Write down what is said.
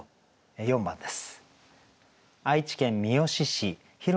４番です。